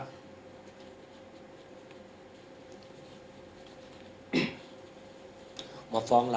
กอบสนุกจนให้ต้องหน่อย